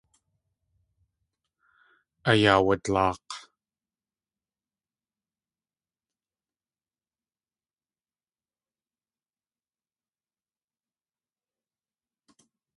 Ayaawadlaak̲.